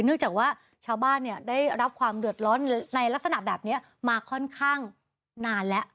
เนื่องจากว่าชาวบ้านเนี่ยได้รับความเดือดร้อนในลักษณะแบบนี้มาค่อนข้างนานแล้ว